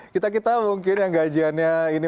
kita kita mungkin yang gajiannya ini